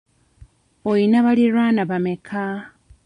Oyina baliraanwa bameka?